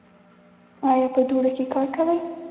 ایا په دوړو کې کار کوئ؟